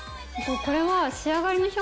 これは。